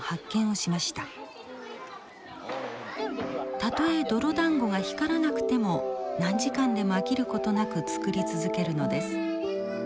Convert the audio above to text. たとえ泥だんごが光らなくても何時間でも飽きることなく作り続けるのです。